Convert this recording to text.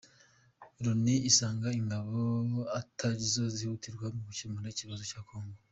Loni isanga ingabo atari zo zihutirwa mu gukemura ikibazo cya Congo